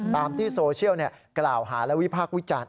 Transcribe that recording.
ตามที่โซเชียลกล่าวหาและวิพากษ์วิจารณ์